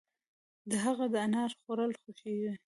د هغه د انار خوړل خوښيږي.